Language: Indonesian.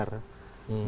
dari menyelesaikan hal itu